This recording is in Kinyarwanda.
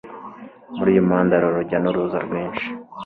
Muri uyu muhanda hari urujya n'uruza rwinshi